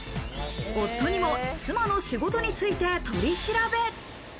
夫にも妻の仕事について取り調べ。